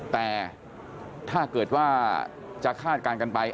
แต่ถ้าเกิดว่าจะคาดการณ์กันไป